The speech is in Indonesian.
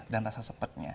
dan rasa sepetnya